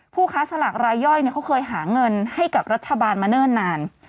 ค้าสลากรายย่อยเขาเคยหาเงินให้กับรัฐบาลมาเนิ่นนาน